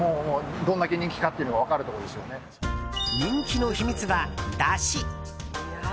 人気の秘密は、だし。